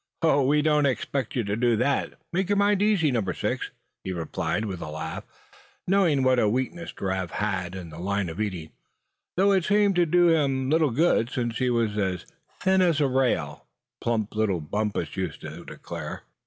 "Oh! we don't expect to do without that, make your mind easy, Number Six," he replied, with a laugh, knowing what a weakness Giraffe had in the line of eating; though it seemed to do him little good, since he was as "thin as a rail," plump little Bumpus used to declare.